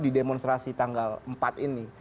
di demonstrasi tanggal empat ini